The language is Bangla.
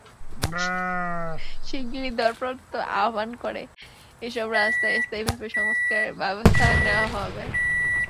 শিগগিরই দরপত্র আহ্বান করে এসব রাস্তায় স্থায়ীভাবে সংস্কারের ব্যবস্থা নেওয়া হবে।